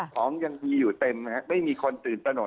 ของยังมีอยู่เต็มนะครับไม่มีคนตื่นตนก